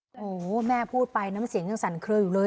โอ้โหแม่พูดไปน้ำเสียงยังสั่นเคลืออยู่เลย